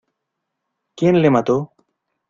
¿ quién le mató?